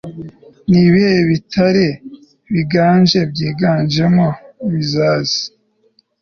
nibihe bitare biganje byiganjemo mazasi